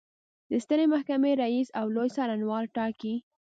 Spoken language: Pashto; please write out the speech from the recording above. د سترې محکمې رئیس او لوی څارنوال ټاکي.